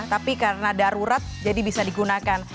tapi karena darurat jadi bisa digunakan